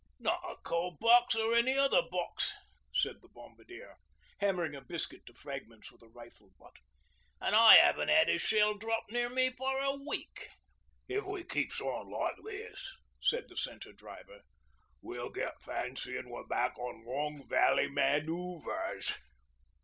'Not a Coal Box, or any other box,' said the Bombardier, hammering a biscuit to fragments with a rifle butt. 'An' I 'aven't 'ad a shell drop near me for a week.' 'If we keeps on like this,' said the Centre Driver, 'we'll get fancyin' we're back on Long Valley man oovers.'